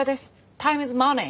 タイムイズマネー。